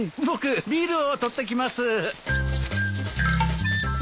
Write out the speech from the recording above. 僕ビールを取ってきます。